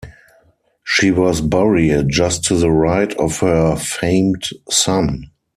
She was buried just to the right of her famed son.